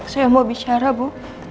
saya mau bicara bu